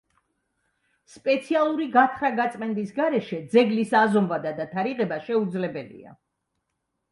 სპეციალური გათხრა-გაწმენდის გარეშე, ძეგლის აზომვა და დათარიღება შეუძლებელია.